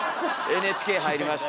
「ＮＨＫ」入りました。